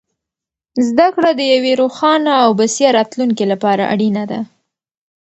زده کړه د یوې روښانه او بسیا راتلونکې لپاره اړینه ده.